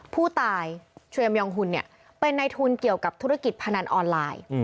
ผู้ตายเทรมยองหุ่นเป็นในทุนเกี่ยวกับธุรกิจพนันออนไลน์